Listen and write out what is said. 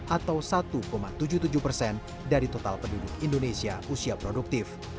atau satu tujuh puluh tujuh persen dari total penduduk indonesia usia produktif